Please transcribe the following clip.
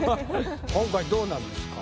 今回どうなんですか？